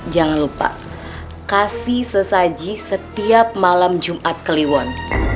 jangan lupa kasih sesaji setiap malam jumat kliwon